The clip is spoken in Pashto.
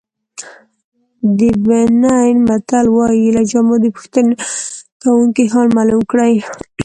د بنین متل وایي له جامو د پوښتنه کوونکي حال معلوم کړئ.